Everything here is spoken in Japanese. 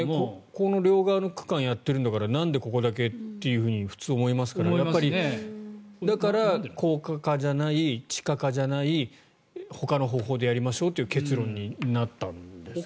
この両側の区間やっているんだからなんでここだけと普通は思いますけどやっぱり、だから高架化じゃない、地下化じゃないほかの方法でやりましょうという結論になったんですね。